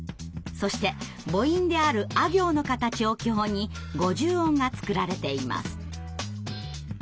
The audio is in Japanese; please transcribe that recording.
そして母音である「あ行」の形を基本に５０音が作られています。